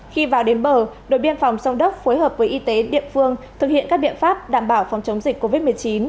khi vào đến bờ đội biên phòng sông đốc phối hợp với y tế địa phương thực hiện các biện pháp đảm bảo phòng chống dịch covid một mươi chín